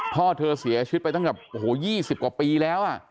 พ่อเธอเสียชุดไปตั้งจาก๒๐กว่าปีแล้ว